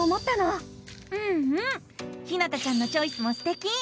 うんうんひなたちゃんのチョイスもすてき！